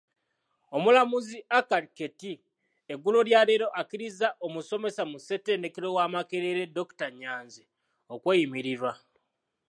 Omulamuzi Acaa Ketty eggulo lyaleero akkirizza omusomesa mu ssettendekero wa Makerere dokita Nyanzi okweyimirirwa.